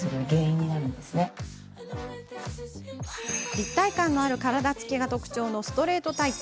立体感のある体つきが特徴のストレートタイプ。